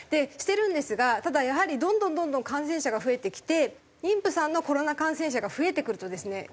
してるんですがただやはりどんどんどんどん感染者が増えてきて妊婦さんのコロナ感染者が増えてくるとですね